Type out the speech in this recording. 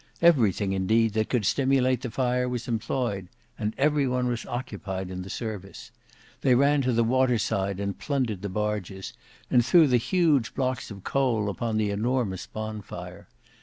Everything indeed that could stimulate the fire was employed; and every one was occupied in the service. They ran to the water side and plundered the barges, and threw the huge blocks of coal upon the enormous bonfire.